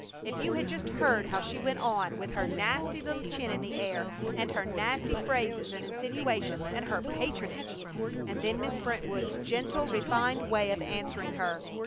If you had just heard how she went on, with her nasty little chin in the air and her nasty phrases and insinuations, and her patronage! And then Miss Brentwood's gentle, refined way of answering her!